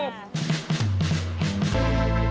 สวัสดีค่ะ